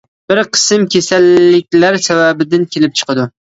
بىر قىسىم كېسەللىكلەر سەۋەبىدىن كېلىپ چىقىدۇ.